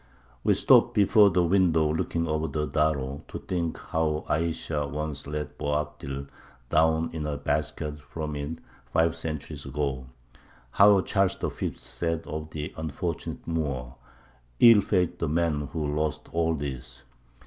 We stop before the window looking over the Darro to think how Ayesha once let Boabdil down in a basket from it five centuries ago; how Charles the Fifth said of the unfortunate Moor, "Ill fated was the man who lost all this!"